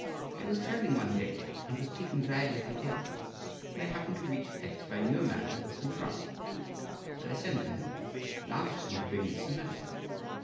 I was travelling one day and was taken violently ill, and I happened to reach a place where I knew a man who had some drugs, so I sent for him and asked him to bring me some medicine.